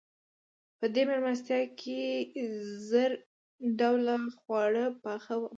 په دې مېلمستیا کې زر ډوله خواړه پاخه وو.